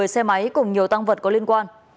một mươi xe máy cùng nhiều tăng vật có liên quan